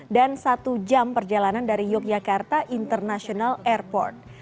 dan satu jam perjalanan dari yogyakarta international airport